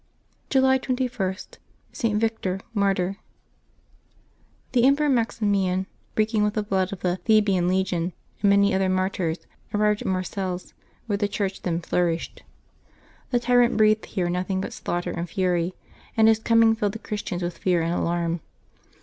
July 21.— ST. VICTOR, Martyr. ^^HE Emperor Maximian, reeking with the blood of the V ^ Thebaean legion and many other martyrs, arrived at Marseilles, where the Church then flourished. The tyrant breathed here nothing but slaughter and fury, and his coming filled the Christians with fear and alarm.